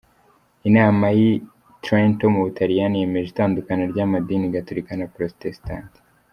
Inama y’I Trento mu Butaliyani yemeje itandukana ry’amadini Gatolika na Porotesitanti.